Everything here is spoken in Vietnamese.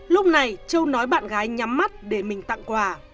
lúc này châu nói bạn gái nhắm mắt để mình tặng quà